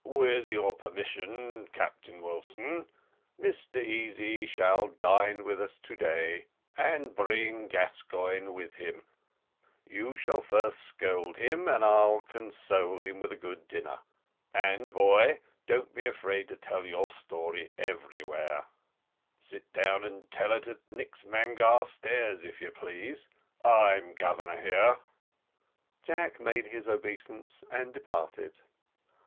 "With your permission, Captain Wilson, Mr Easy shall dine with us to day, and bring Gascoigne with him; you shall first scold him, and I'll console him with a good dinner and, boy, don't be afraid to tell your story everywhere: sit down and tell it at Nix Mangare stairs, if you please I'm Governor here." Jack made his obeisance, and departed.